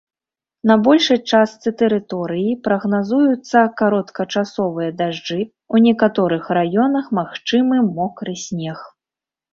На большай частцы тэрыторыі прагназуюцца кароткачасовыя дажджы, у некаторых раёнах магчымы мокры снег.